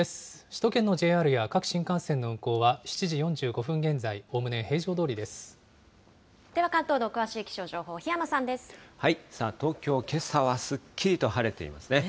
首都圏のＪＲや各新幹線の運行は、７時４５分現在、おおむね平常どでは、関東の詳しい気象情報、さあ、東京、けさはすっきりと晴れていますね。